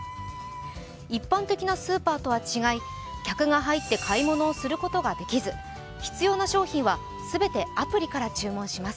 一般的なスーパーとは違い客が入って買い物をすることができず必要な商品は全てアプリから注文します。